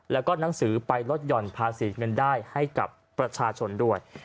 แล้วก็หนังสือไปลดหย่อนภาษีเงินได้ให้กับประชาชนด้วย